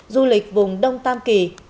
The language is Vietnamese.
du lịch vùng đông tam kỳ